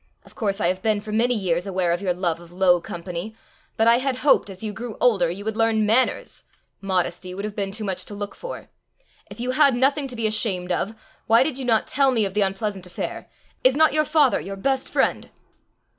Of course I have been for many years aware of your love of low company, but I had hoped as you grew older you would learn manners: modesty would have been too much to look for. If you had nothing to be ashamed of, why did you not tell me of the unpleasant affair? Is not your father your best friend?"